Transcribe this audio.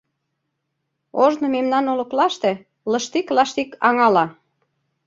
Ожно мемнан олыклаште Лыштик-лаштик аҥала.